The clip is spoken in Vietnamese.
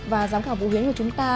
và giám khảo vũ huyến của chúng ta